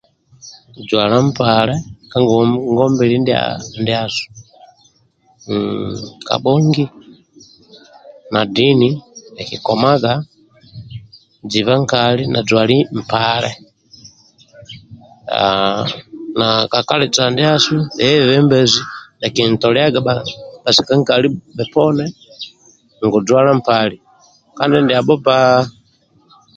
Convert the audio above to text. Juala npale kagogwa mbili ndiasu kabhongi na dini akikoma jiba nkali na jwali na ka kalica ndiasu bhebenzi bhakitoliaga basika nkali bhoponi ngu jwala mpale kandulu ndiabho bba